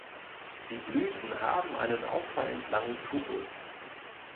Die Blüten haben einen auffallend langen Tubus.